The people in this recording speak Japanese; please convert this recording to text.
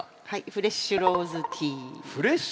フレッシュローズティー。